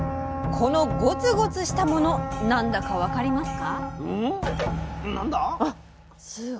このごつごつしたもの何だか分かりますか？